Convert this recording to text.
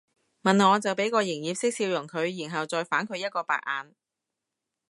問我就俾個營業式笑容佢然後再反佢一個白眼